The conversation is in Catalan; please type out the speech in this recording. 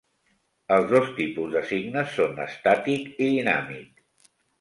Els dos tipus de signes són estàtic i dinàmic.